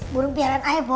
burung piharan aja pok